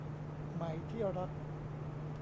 ไหม ที่รัก